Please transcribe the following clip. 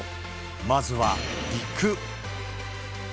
まずは陸。